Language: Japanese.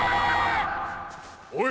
おい！